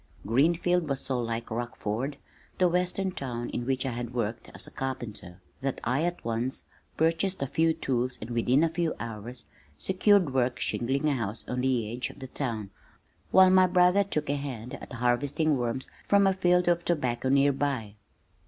Greenfield was so like Rockford (the western town in which I had worked as a carpenter), that I at once purchased a few tools and within a few hours secured work shingling a house on the edge of the town, while my brother took a hand at harvesting worms from a field of tobacco near by.